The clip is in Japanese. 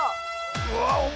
うわ。